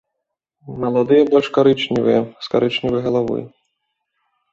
Маладыя больш карычневыя, з карычневай галавой.